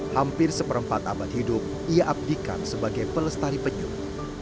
hampir seperempat abad hidup ia abdikan sebagai pelestari penyuh